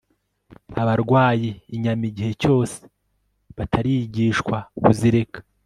abarwayi inyama igihe cyose batarigishwa kuzireka